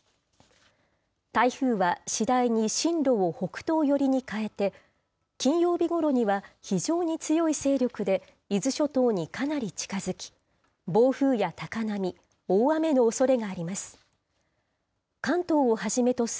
台風は次第に進路を北東寄りに変えて、金曜日ごろには非常に強い勢力で伊豆諸島にかなり近づき、暴風や高波、大雨のおそれがあります。